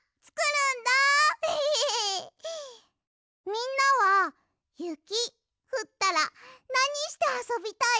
みんなはゆきふったらなにしてあそびたい？